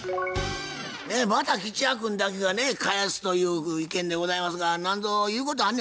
また吉弥君だけがね返すという意見でございますが何ぞ言うことあんのやったら言うてみ。